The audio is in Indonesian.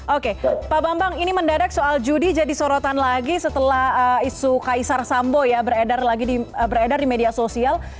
oke pak bambang ini mendadak soal judi jadi sorotan lagi setelah isu kaisar sambo ya beredar di media sosial